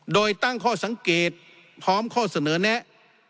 โดยตั้งข้อสังเกตพร้อมข้อเสนอแนะ